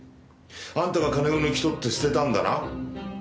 あんたが金を抜き取って捨てたんだな？